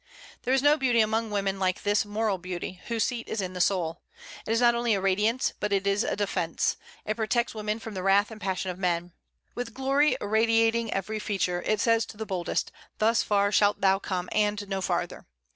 There is no beauty among women like this moral beauty, whose seat is in the soul. It is not only a radiance, but it is a defence: it protects women from the wrath and passion of men. With glory irradiating every feature, it says to the boldest, Thus far shalt thou come and no farther.